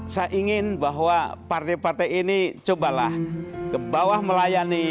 saya ingin bahwa partai partai ini cobalah ke bawah melayani